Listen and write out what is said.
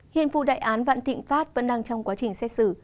hiện vụ đại án vạn tịnh phát vẫn đang trong quá trình xét xử